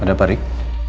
ada apa rik